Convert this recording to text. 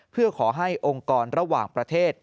เพื่อขอให้องค์กรระหว่างประเทศ